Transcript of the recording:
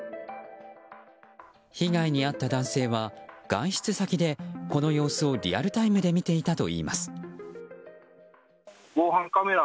被害に遭った男性は外出先でこの様子をリアルタイムで見ていたといいます。